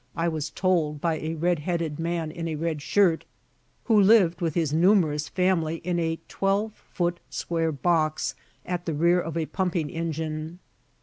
I was told by a red headed man in a red shirt, who lived with his numerous family in a twelve foot square box at the rear of a pumping engine.